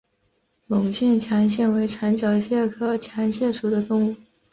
隆线强蟹为长脚蟹科强蟹属的动物。